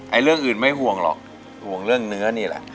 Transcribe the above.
เรื่องอื่นไม่ห่วงหรอกห่วงเรื่องเนื้อนี่แหละ